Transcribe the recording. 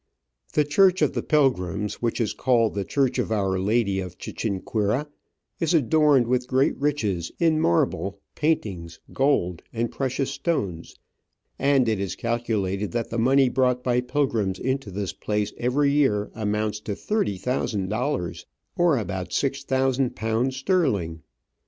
The church of the pilgrims, which is called the Church of Our Lady of Chiquin quira, is adorned with great riches in marble, paint ings, gold, and precious stones, and it is calculated that the money brought by pilgrims into this place every year amounts to 30,000 dollars, or ^6,000 sterling.